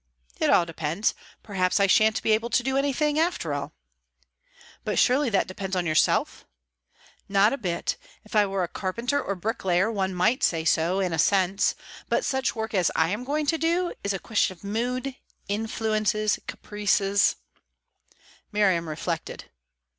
"It all depends. Perhaps I shan't be able to do anything, after all." "But surely that depends on yourself." "Not a bit! If I were a carpenter or bricklayer, one might say so in a sense. But such work as I am going to do is a question of mood, influences, caprices " Miriam reflected.